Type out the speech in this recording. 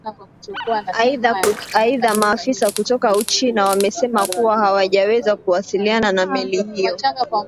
aidhaa maafisa kutoka uchina wamesema kuwa hawajaweza kuasiliana na meli hiyo